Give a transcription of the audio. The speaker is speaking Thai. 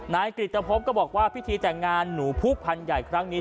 นายกฤตภพก็บอกว่าพิธีแต่งงานหนูผู้พันธุ์ใหญ่ครั้งนี้